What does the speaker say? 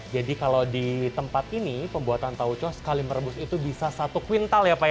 jadi kalau di tempat ini pembuatan tauco sekali merebus itu bisa satu kwintal ya pak ya